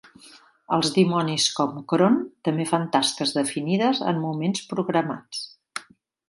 Els dimonis com cron també fan tasques definides en moments programats.